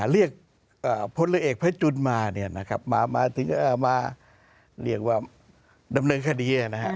เรียกพลเอกพระจุลมาเนี่ยนะครับมาเรียกว่าดำเนินคดีนะครับ